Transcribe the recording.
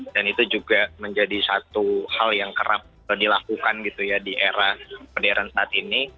dan itu juga menjadi satu hal yang kerap dilakukan gitu ya di era modern saat ini